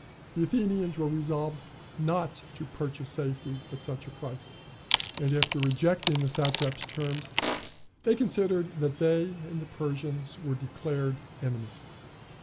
The Athenians were resolved not to purchase safety at such a price, and after rejecting the satrap's terms, they considered that they and the Persians were declared enemies.